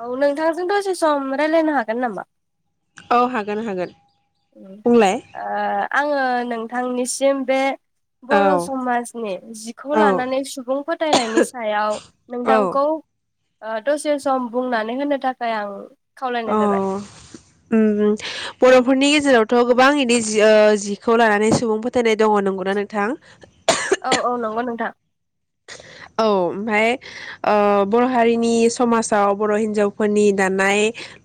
औ नोंथांजों दसे सम रायज्लायनो हागोन नामा? औ हागोन हागोन। ओ बुंलाय आंङो नों थांनिसिम बे औ बर' समाजनि जिखौ औ लानानै सुबुं फो थायनायनि सायाव औ नोंथांखौ ओ दसे सम बुंनानै होनो थाखाय आं खावलायनाय अ जाबाय। उम बर'फोरनि गेजेराव' थ' गोबां इदि जि ओ जिखौ लानानै सुबुं फोथायनाय दङ नंगौना नोंथां? औ औ नंगौ नोंथां। औ ओमफाय बर' हारिनि समाजाव बर' हिन्जावफोरनि दानाय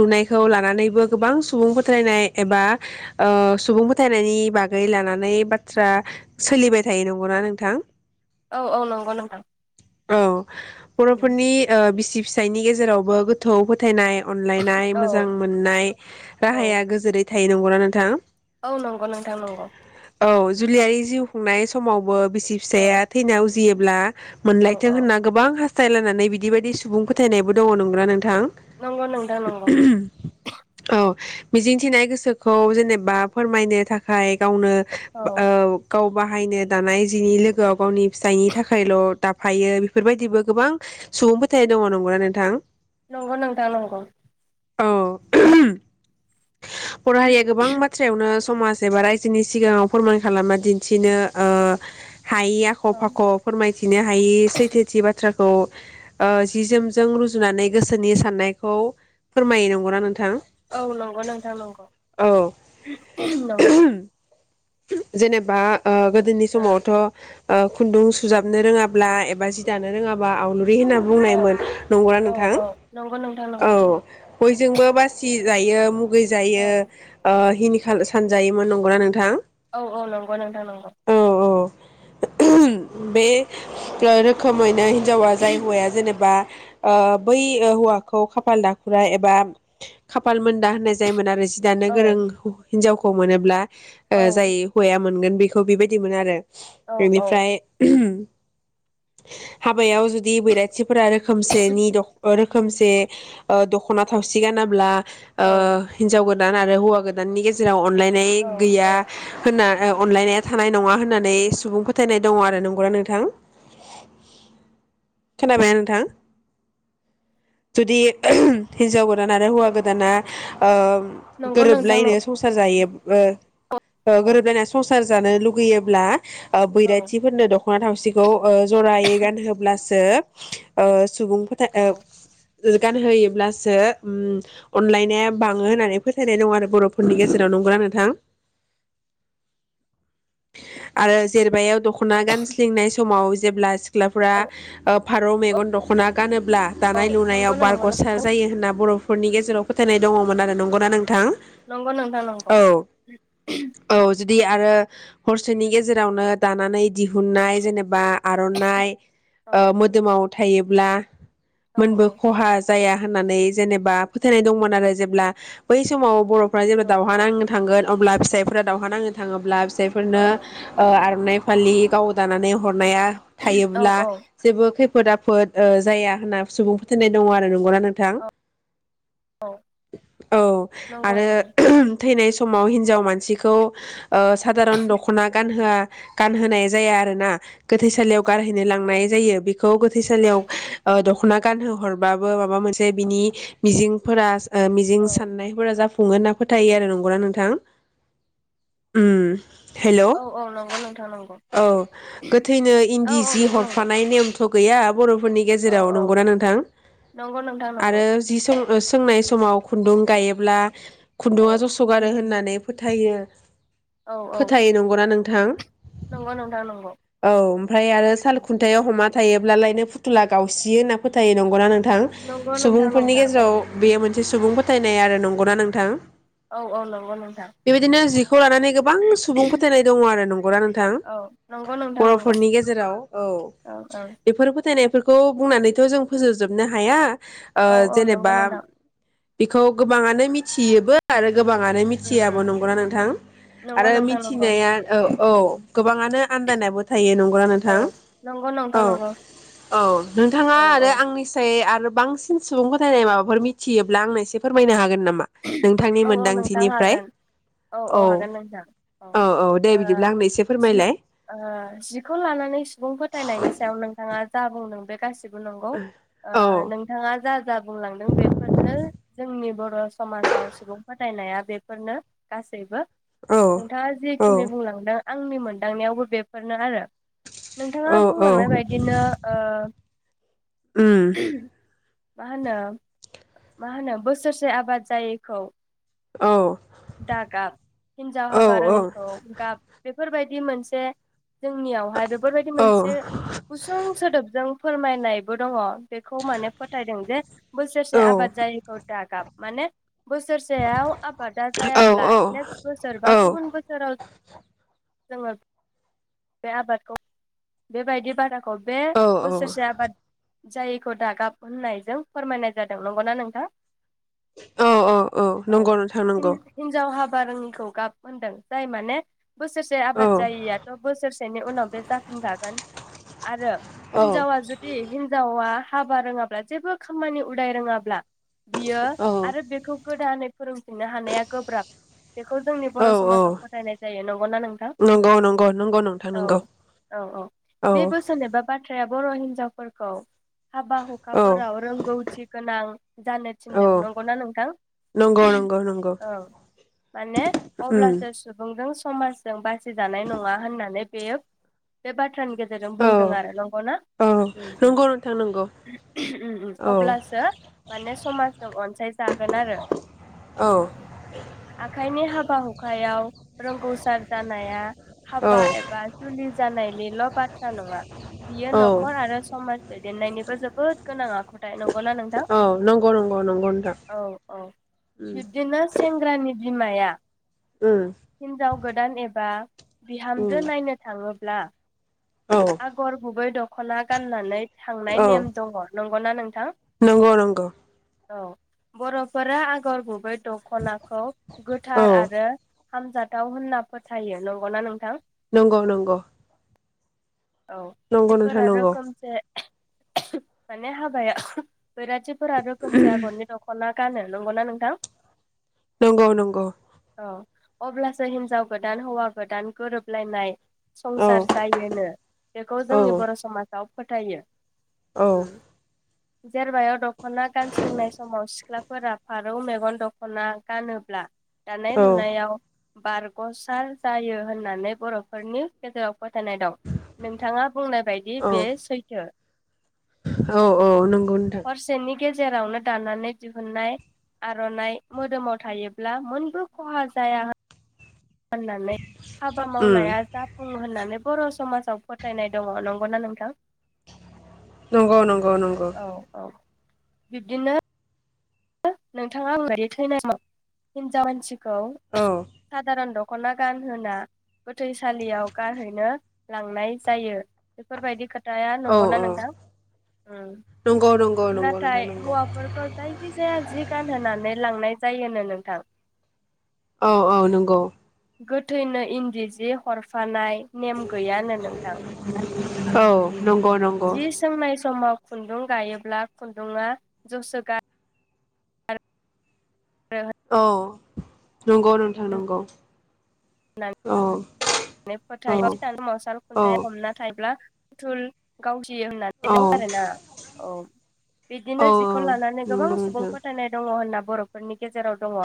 लुनायखौ लानानैबो गोबां सुबुं फोथायनाय एबा ओ सुबुं फोथायनायनि बागै लानानै बाथ्रा सोलिबाय थायो नंगौना नोंथां औ औ नंगौ नोंथां औ बर'फोरनि ओ बिसि फिसायनि गेजेरावबो गोथौ फोथायनाय अनलायनाय औ मोजां मोननाय औ राहाया गोजोरै थायोै नंगौना नोंथां। औ नंगौ नोंथां नंगौ। औ जुलियारि जिउ खुंनाय समावबो बिसि औ फिसाया थैना उजि जियोब्ला औ मोनलायथों औ होनना गोबां ह फोटाइलानानै बिदि बायदि सुबुं फोथायनायबो दङ नंग्रा नोंथां नंगौ नोंथां नंगौ औ। मिजिंथिनाय गोसोखौ जेनेबा फोरमायनो थाखाय गाव गावनो औ ओ गाव बाहायनो दानाय जिनि लोगोआव गावनि फिथाइनि थाखायल' दाफायो बेफोरबायदिबो गोबां सुबुं फोथाय दङ नंगौना नोंथां नंगौ नोंथां नंगौ। औ। बर' हारिया गोबां बाथ्रायावनो समाज एबा रायजोनि सिगाङाव फोरमान खालामना दिन्थिनो ओ हायि आख' औ फाख' फोरमायथिनो हायि सैथोथि बाथ्रा खौ ओ जि जोमजों रुजुनानै गोसोनि साननायखौ फोरमायो नंगौना नोंथां औ नं अ नोंथां नंगौ औ नंगौ। जेनेबा ओ गोदोनि ओ समावथ' ओ खुन्दुं सुजाबनो रोङाब्ला एबा जि दानो रोङाबा आव लुरि होननानै औ बुंनायमोन नंगौ ना औ नोंथां औ नंगौ नोंथां औ नंगौ बयजोंबो बासि जायो मु गै जायो हिनि खा [unintelligible] सानजायोमोन नंगौना नोंथां। औ औ नंगौ नोंथां नंगौ। अ बे गारो [unintelligible] खामानाय हिनजावा जाय हौवाया जेनेबा ओ बै हौवाखौ खाफाल दाखुरा एबा खाफाल मोन दा होननाय जायोमोन आरो जि दानो औ गोरों हिन्जावखौ मोनोब्ला ओ औ [unintelligible] जायो हौवाया मोनगोन बेखौ बेबायदिमोनो आरो। औ औ बेनिफ्राय हाब हाबायाव जुदि बैराथिफोरा रोखोमसेनि दखन रो खोमसे दख'ना थावसि गानाब्ला ओ हिनजाव गो आरो हौवा गोदाननि गेजेराव अनलाइन नाय गैया औ अलायनाया थानाय नङा होननानै सुबुं फोथायनाय द नंगौना नोंथां खोनाबाय नोंथां जुदि हिजाव गोदान आरो हौवा गोदाना ओ नंगौ नोंथां नं गोरोबलायनो संसार जायो ओ औ ओ गोरोबलाइना संस संसार जानो लुगैयोब्ला औ बैराथिफोरनो दख खना थावसिखौ ओ जरायै गानहोब्लासो सो ओ सुबुं फोथा ओ औ गानहोयोब्लासो अनलायनाया बाङो होननानै फोथायनाय दं ।आरो बर फोरनि गेजेराव नंगौना नोंथां? आरो जेरबायाव दख खना गानसलिंनाय समाव जेब्ला सि सिख्लाफ्रा ओ फारौ मेगन दखना गानोब ब्ला औ दानाय नंगौ लुनायाव नंगौ बारग सार थिगखौ जायो होनना बर'फो नि गेजेराव फोथायनाय दङमोन आरो नंगौना नों नंगौ नोंथा नंगौ। औ जुदि आरो हरसेनि गेजेरावनो दानानै दिहुननाय जेनेबा आर'नाइ औ मोदोमाव था थायोब्ला औ मोनबो खहा जाया। होननानै जेनेबा फोथायनाय दंमोन आरो जेब्ला बै समाव बर' जेब्ला औ दावहा नांनो थांगोन अब्ला फिसाइफ्रा दावहा नांनो थाङोब्ला औ जायफोरनो ओ आर'नय फलि गाव दानानै ह हरनाया औ थायोब्ला औ जेबो खै फोद आफोद ओ जाया होनना सुबुं फोथायनाय दङ आरो नंगौना नोंथां औ औ नंगौ आरो नंगौ थैनाय समाव हिनजाव मानसि खौ ओ सादारन दखना औ गानहोआ गानहोनाय जाया आरोना गोथैसालियाव गारहैनो लांनाय जायो बे खौ औ गोथैसालियाव ओ दखना गानहोहरबाबो माबा मोनसे बिनि मिजिंफोरा आ मिजिं औ साननायफोरा जाफु खुङो होनना फोथायो आरो नंगौना नोंथां। उम हेलौ, औ नंगौ नोंथां नंगौ औ गोथैनो औ इन्दि औ जि नंगौ नंगौ हरफानाय नेम थ गैया बर' फोरनि औ गेजेराव औ नंगौना नोंथां नंगौ नोंथां नंगौ आरो जि ओ सोंनाय समाव खुन्दुं गायोब्ला औ खुन्दुङा जस' गारो होननानै फोथायो। औ औ फोथायो नंगौना नों थां। नंगौ नोंथां नंगौ औ ओमफ्राय आरो साल नंगौ खुन्थायाव हमा थायायोब्लालायनो फुथुला गावसियो ना फोथायो नंगौना नों थां नोंथां सुबुंफोरनि नंथारगौ गेजेराव बेयो मोनसे सुबुं फोथायनाय आरो नंगौना नोंथां। औ औ नंगौ नोंथां। खौ लानानै गोबां सुबुं फोथायनाय दङ आरो नंगौना नोंथां औ नंगौ नोंथां नंगौ बर'फोरनि गेजेराव ओव औ औ बेफोर फोथायनाय फोरखौ बुंनानैथ जों फोजोबजोबनो हाया ओ औ औ नंगौ जेनेबा नोंथां बेखौ गोबांआनो मिथियोबो आरो। गोबांआनो उम मिथियाबो उम नंगौना नोंथां? नंगौ आरो नोंथां नंगौ मिथिनाया औ औ गोबाङानो आन्दायनायबो था थायो नंगौना औ नोंथां नंगौ नोंथां औ नंगौ औ नोंथाङा औ औ आरो आंनिसाय आरो बांसिन सुबुं फोथायनाय माबाफोर मिथियोब्ला आंनो एसे फोरमायनो हागोन नाम मा नोंथांनि औ औ नोंथां मोनदांथिनिफ्राय? हागोन औ औ हागोन नोंथां औ दे ओ बिदिब्ला आंनो एसे जि फोरमायलाय जिखौ लानानै सुबुं फोथायनायनि सायाव नोंथाङा जा बुंदों बे गासिबो नंगौ ओ औ नोंथाङा जा जा बुंलांदों बेफोरनो जोंनि बर' [unintelligible] समाजाव सुबुं फोथायनाया बेफोरनो गासैबो औ नोंथाङा औ जेखिनि बुंलांदों आंनि मोनदांनायावबो बेफोरनो आरो। नोंथाङा औ औ बुंलांनाय बायदिनो ओ उम मा होनो मा होनो बोसोरसे आबाद जायैखौ औ दा गाब हिनजाव औ हाबा रोङिखौ गाब बेफ फोरबायदि मोनसे जोंनियावहाय बेफोरबायदि औ मोनसे गुसुं सोदोबजों फोरमायनायबो दङ। बेखौ माने फोथायदों जे बोसोरसे औ आबाद जायैखौ दागाब माने बोसोरसेयाव आबादा जायाब्ला नेक्स्ट बोसोर बा औ गुबुन बोसोराव जोङो बे आबादखौ बेबायदि बारा बे औ औ बोसोरसे आबाद जायैखौ दागाब होननायजों फोरमायनाय जादों नंगौना नोंथां? औ औ औ नंगौ नोंथां नगौ। जाव हाबा रोङिखौ गाब मोनदों जाय माने बोसोरसे औ आबाद जायैयाथ' बोसोरसेनि उनाव बे जाफिनखागोन आरो औ हिनजावा जुदि हिनजावा हाबा रोङाब्ला जेबो खामानि उदाय रोङाब्ला बियो औ आरो बेखौ गोदानै फोरोंफिनो हानाया गोब्राब बेखौ जोंनि औ बर समाजाव औ फोथायनाय जायो नं नंगौना नोंथां नंगौ नंगौ नंगौ नोंथां नंगौ औ-औ-औ बे औ बोसोन एबा बाथ्राया बर' हिनजाव फोरखौ औ हाबा-हुखाफोराव रोंगौथि गोनां जानो थिनदों औ नंगौना नोंथां? नंगौ नंगौ नंगौ ओ माने उम अब्लासो सुबुंजों समाजजों बासिजानाय नङा होननानै बेयो बे बाथ्रानि गेजेर रांजों औ बुंदों आरो नंगौना? औ उम नंगौ नोंथां नंगौ उम औ अब्लासो माने समाजजों अनसाय जागोन आरो औ आखाइनि हाबा हुखायाव रोंगौसार जानाया हाबा औ एबा जुलि जानायनिल' बाथ्रा नङा बियो औ न'खर आरो समाज दैदेननायनिबो जोबोद गोनां आखुथाय नंगौना नोंथां औ नंगौ-नंगौ-नंगौ नोंथां औ औ उम बि सेंग्रानि बिमाया उम हिनजाव गोदान एबा उम बिहामजो नायनो थाङो ब्ला औ आगर बुबै द दख'ना गाननानै थांनाय औ नेम दङ नं गौना नोंथां? नंगौ नंगौ। औ बर'फोरा आगर गुबै दख'नाखौ औ गोथार आरो हामजाथाव होनना फोथायो नंगौना नोंथां नंगौ नंगौ औ नंगौ नोंथां नंगौ रोखोमसे माने हाबाया बैराथिफोरा रोखोमसे आगरनि दख'ना गानो नंगौना नोंथां नंगौ नंगौ औ अब्लासो हिनजाव गोदान हौवा गोदान गोरोबलायनाय औ संसार जायोनो बेखौ औ जोंनि बर समाज आव फोथायो उम औ जेरबायाव दखना गानस्लिंनाय समाव सिख्लाफोरा फारौ मेगन दखना गानोब्ला दानाय लुनायाव बारगसार जायो होननानै बरफोरनि गेजेराव फोथायनाय दं नोंथाङा बुंनाय बायदि औ बे सैथो औ औ उम नंगौ नोंथां हरसेनि गेजेरावनो दानानै दिहुननाय आरनाइ मोदोमाव थायोब्ला मोनबो खहा जाया होन होननानै हाबा उम मावनाया जाफुङो होननानै बर समाजाव फोथायनाय दङ नंगौना नोंथां नंगौ नंगौ नंगौ औ औ बिब्दिनो [unintelligible] औ औ साधारन दग दखना गानहोना गोथैसालियाव गारहैनो लांनाय जायो बेफोरबायदि खोथा खोथाया औ नंगौना औ नोंथां ओम नंगौ नंगौ नंगौ नोंथां नाथाय नंगौ हौवाफोरखौ जाय थाया जि गानहोनानै लांनाय जायोनो नोंथां औ औ नंगौ गोथैनो इन्दि जि हरफानाय नेम गैयानो नोंथां औ नंगौ नंगौ जि सोंनाय समाव खुन्दुं गायोब्ला खुन्दुङआ जसो गा गारो औ नंगौ नोंथां नंगौ औ औ औ [unintelligible] थुल गावसि औ होननानै आरोना औ बिदिनो औ जिखौ औ लानानै गोबां नंगौ सुबुं नोंथां फोथायनाय दङ होनना बरफोरनि गेजेराव दङ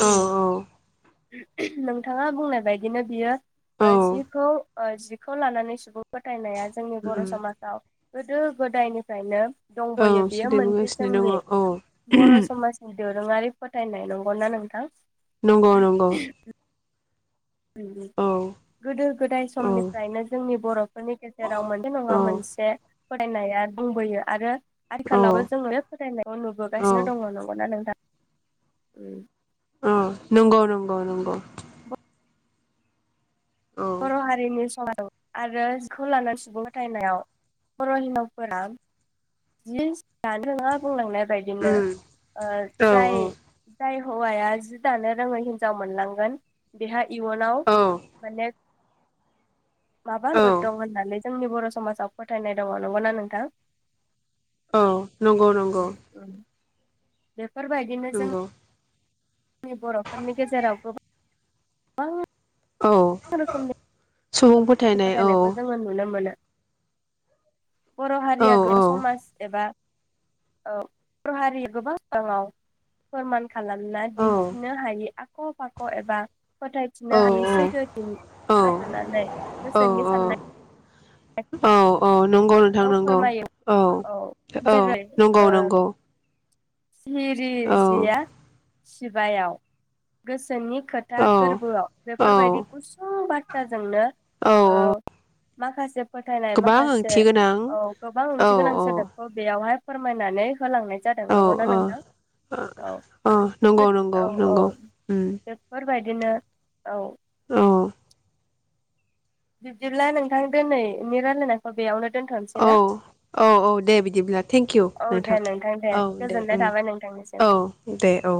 औ उम औ नोंथाङा बुंनाय बायद बिदिनो बियो ओ औ जिखौ ओ जिखौ लानानै सुबुं फोथायनाया जोंनि बर' उम समाजाव गोदो गोदायनिफ्रायनो औ दंबोयो बेयो मोनसे सोलिबोगासिनो दङ जोंनि औ बर' समाजनि दोन दोरोंङारि फोथायनाय नंगौना नोंथां? नंगौ नंगौ [unintelligible] औ गोदो गोदाय औ समनिफ्रायनो जोंनि बर'फोरनि गेजेराव मोनसे नङा औ मोनसे फथायनाया आरो दंबोयो आरो औ आथखालावबो जोङो फोथायनायाव औ नुबोगासिनो दङ नंगौना नोंथां? ओं ओ नंगौ नंगौ नंगौ औ बर' हारिनि सना औ आरो जिखौ लानानै सुबुं फोथायनायाव बर' हिनजावफोरा जि जानो रोङा बुंलांनाय बेबायदिनो उम औ जाय जाय हौवाया जि दानो रोङै हिनजाव मोनलांगोन बेहाय इयुनाव औ औ माने औ माबाफोर दं होननानै जोंनि बर' समाजाव फोथायनाय दङ नंगौना नोंथां? औ नंगौ नंगौ [unintelligible] बेफोरबायदिनो जों नंगौ [unintelligible] बर'फोरनि गेजेराव गोबां गोबां औ रोखोमनि सुबुं फोथायनाय औ फोथायनायखौ जोङो नुनो मोनो बर' औ हारिया गोगो समाज एबा औ बर' हारिया [unintelligible] गोबां [unintelligible] राङाव फोरमान खालामना औ दिन्थिनो हायो। आख' फाख एबा औ फोथायफिननो हायि सैथो दिन जाग्रोनानै गोसोनि औ साननाय औ औ नंगौ नोथां नंगौ फोरमायो औ औ जेरै नंगौ नंगौ। औ सिरिजेया सिबायाव गोसोनि खोथा औ गोरबोआव बेफोरबायदि औ गुसुं बाथ थ्राजोंनो औ माखासे फोथायनाय गोबां माखासे ओंथि गोनां औ गोबां औ ओंथि गोनां औ सोदोबखौ बेयावहाय फोरमायनानै होलांनाय जादों। औ नंगौ ना औ नोंथां? औ नंगौ नंगौ नंगौ औ-औ-औ उम बेफोरबाय बिदिनो औ। औ बिब्दिब्ला नोंथां दिनैनि रायलायनायखौ बेयावनो दोनथ'नोसै ना औ-औ-औ-औ दे बिदिब्ला थेंकिउ औ नोंथां दे दे गोजोननाय थाबाय नोंथांनिसिम औ दे औ।